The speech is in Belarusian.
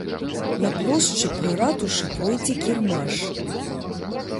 На плошчы пры ратушы пройдзе кірмаш.